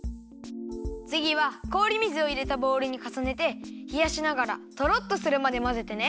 つぎはこおり水をいれたボウルにかさねてひやしながらとろっとするまでまぜてね。